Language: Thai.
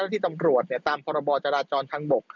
ต่อเจ้าพนักงาน